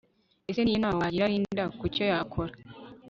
Ese ni iyihe nama wagira Linda Kucyo yakora